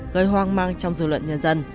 gây hoang mang trong dư luận nhân dân